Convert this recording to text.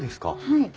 はい。